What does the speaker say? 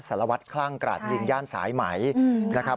สารวัตรคลั่งกราดยิงย่านสายไหมนะครับ